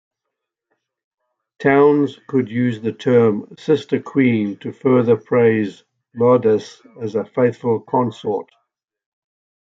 Towns could use the term "sister-queen" to further praise Laodice as a faithful consort.